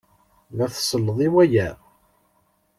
La tselled i waya?